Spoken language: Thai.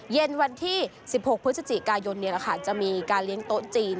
เย็นวันที่๑๖พฤศจิกายนจะมีการเลี้ยงโต๊ะจีน